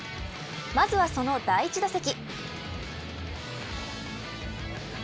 まずは、その第１打席。